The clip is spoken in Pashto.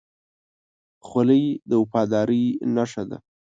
خولۍ د وفادارۍ نښه ده.